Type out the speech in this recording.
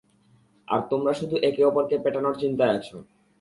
আর তোমরা শুধু একে অপরকে পেটানোর চিন্তায় আছো।